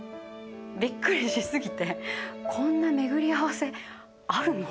「びっくりし過ぎてこんな巡り合わせあるのと」